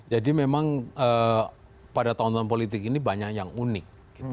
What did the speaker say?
jadi memang pada tahun tahun politik ini banyak yang unik